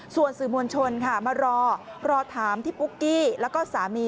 ส่วนสื่อมวลชนค่ะมารอรอถามพี่ปุ๊กกี้แล้วก็สามี